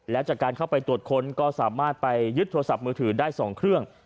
และจากการเข้าไปตรวจค้นก็สามารถไปยึดโทรศัพท์มือถือได้๒เครื่อง